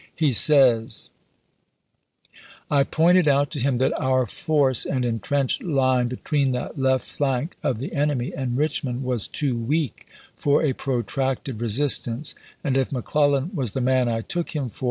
He says : I pointed out to him that our force and intrenched line between that left flank [of the enemy] and Richmond was too weak for a protracted resistance, and if McClellan was the man I took him for